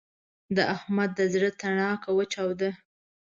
د احمد د زړه تڼاکه وچاوده.